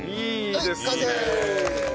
はい完成！